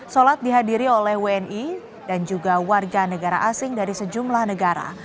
sholat dihadiri oleh wni dan juga warga negara asing dari sejumlah negara